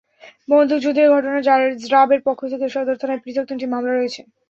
বন্দুকযুদ্ধের ঘটনায় র্যাবের পক্ষ থেকে সদর থানায় পৃথক তিনটি মামলা হয়েছে।